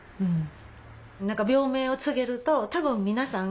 何か病名を告げると多分皆さん